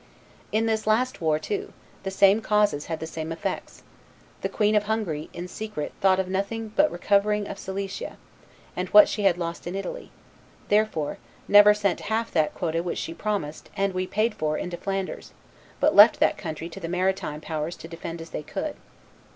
In this last war too, the same causes had the same effects: the Queen of Hungary in secret thought of nothing but recovering of Silesia, and what she had lost in Italy; and, therefore, never sent half that quota which she promised, and we paid for, into Flanders; but left that country to the maritime powers to defend as they could.